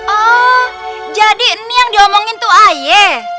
oh jadi ini yang diomongin tuh aye